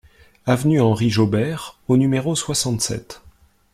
Avenue Henri Jaubert au numéro soixante-sept